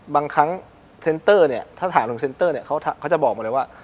บางครั้งเซ็นเตอร์เนี่ยถ้าถามตรงเซ็นเตอร์เนี่ยเขาจะบอกมาเลยว่า